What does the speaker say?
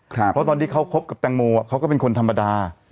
เพราะตอนที่เขาคบกับแตงโมเขาก็เป็นคนธรรมดา